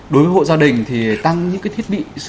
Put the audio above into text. đối với hộ gia đình thì tăng những cái thiết bị